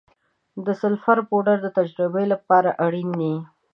د سلفر پوډر د تجربې لپاره اړین دی.